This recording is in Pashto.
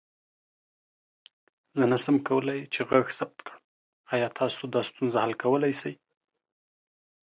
زه نسم کولى چې غږ ثبت کړم، آيا تاسو دا ستونزه حل کولى سې؟